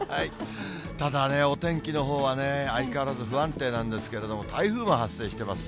ただね、お天気のほうはね、相変わらず不安定なんですけれども、台風も発生してます。